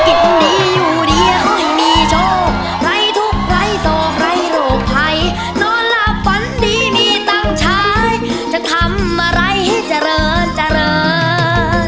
กินดีอยู่ดีขอให้มีโชคใส่ทุกข์ใส่โศคให้โรคไพรนอนหลับฝันดีมีตำชายจะทำอะไรให้เจริญเจริญ